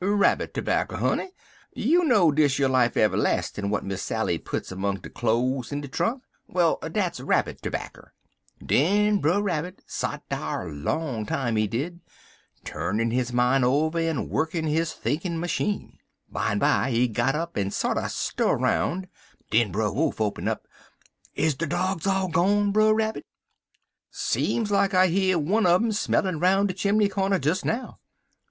"Rabbit terbacker, honey. You know dis yer life ev'lastin' w'at Miss Sally puts 'mong de cloze in de trunk; well, dat's rabbit terbacker. Den Brer Rabbit sot dar long time, he did, turnin' his mine over en wukken his thinkin' masheen. Bimeby he got up, en sorter stir 'roun'. Den Brer Wolf open up: "'Is de dogs all gone, Brer Rabbit?' "'Seem like I hear one un um smellin' roun' de chimbly cornder des now.'